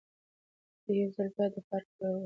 ده یو ځل بیا د پارک په لور وکتل.